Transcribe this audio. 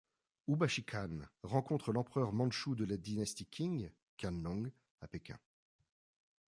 Ubashi Khan rencontre l'Empereur mandchou de la Dynastie Qing, Qianlong, à Pékin.